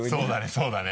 そうだね